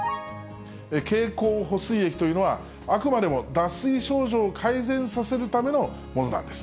経口補水液というのは、あくまでも、脱水症状を改善させるためのものなんです。